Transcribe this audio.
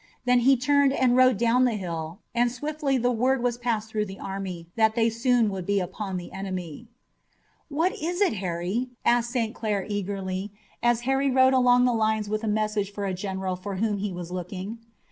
Then he turned and rode down the hill, and swiftly the word was passed through the army that they would soon be upon the enemy. "What is it, Harry?" asked St. Clair eagerly, as Harry rode along the lines with a message for a general for whom he was looking.